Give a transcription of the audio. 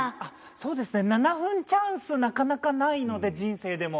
そうですね７分チャンスなかなかないので人生でも。